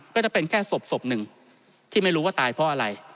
ก็จะเป็นแค่ศพหนึ่งที่ไม่รู้ว่าตายเพราะอะไร